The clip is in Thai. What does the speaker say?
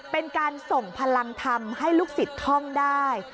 เป็นการส่งพลังทำให้ลูกศิษย์ท่องได้